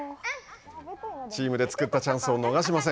チームで作ったチャンスを逃しません。